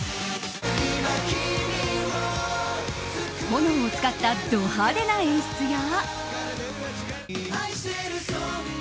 炎を使ったド派手な演出や。